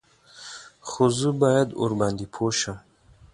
_خو زه بايد ورباندې پوه شم.